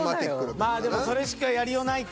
まあそれしかやりようないか。